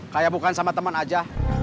kayak bukan sama teman aja